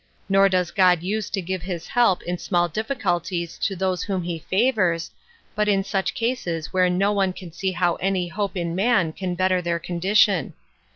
Nor does God use to give his help in small difficulties to those whom he favors, but in such cases where no one can see how any hope in man can better their condition.